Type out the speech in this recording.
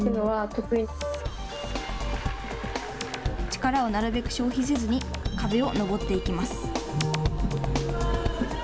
力をなるべく消費せずに壁を登っていきます。